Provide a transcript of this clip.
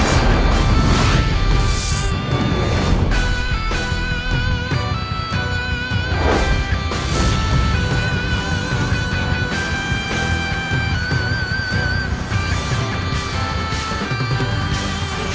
akan kutunjukkan kekuatanku yang sebenarnya